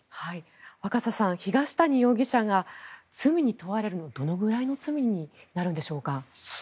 若狭さん、東谷容疑者が罪に問われるとどのぐらいの罪になるんでしょうか。